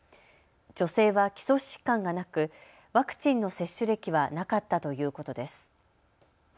女性は基礎疾患がなくワクチンの接種歴はなかったということです。